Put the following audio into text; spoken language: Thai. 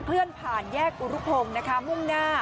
เลื่อนผ่านแยกอุรุพงศ์นะคะมุ่งหน้า